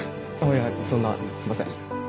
いやいやそんなすいません